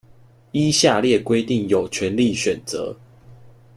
依下列規定有權利選擇